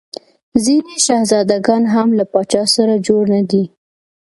ځیني شهزاده ګان هم له پاچا سره جوړ نه دي.